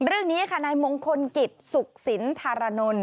เรื่องนี้ค่ะในมงคลกิจศุกษิณธารณนต์